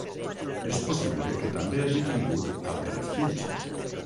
És possible que també hagi tingut altres fills.